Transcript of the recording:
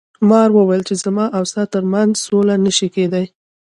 مار وویل چې زما او ستا تر منځ سوله نشي کیدی.